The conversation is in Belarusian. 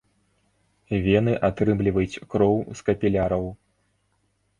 Вены атрымліваюць кроў з капіляраў.